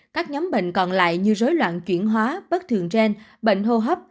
các nhóm bệnh còn lại như rối loạn chuyển hóa bất thường gen bệnh hô hấp